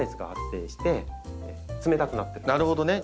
なるほどね。